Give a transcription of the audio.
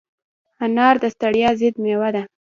انار د ستړیا ضد مېوه ده.